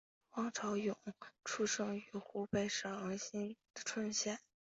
汪潮涌出生于湖北省蕲春县。